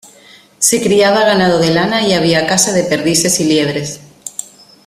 Se criaba ganado de lana y había caza de perdices y liebres.